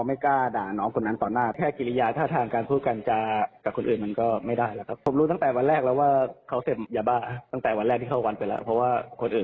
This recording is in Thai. มาฟังหน่วยงานเข้ามาดูแลให้หน่อยนะครับ